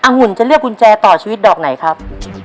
หุ่นจะเลือกกุญแจต่อชีวิตดอกไหนครับ